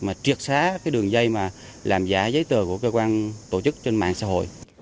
mà triệt xá đường dây làm giả giấy tờ của cơ quan tổ chức trên mạng xã hội